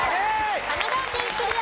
神奈川県クリア。